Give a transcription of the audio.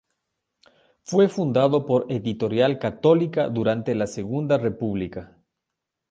Fue fundado por Editorial Católica durante la Segunda República.